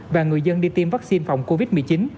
và người dân đi tiêm vắc xin phòng covid một mươi chín